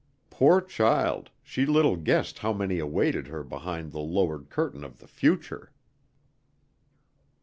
Poor child, she little guessed how many awaited her behind the lowered curtain of the future!